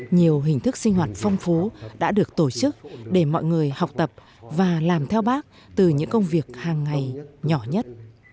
nhiều hình thức sinh hoạt phong phú đã được tổ chức để mọi người học tập và làm theo bác từ những công việc hàng ngày nhỏ nhất